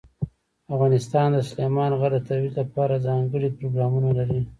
افغانستان د سلیمان غر د ترویج لپاره ځانګړي پروګرامونه لري.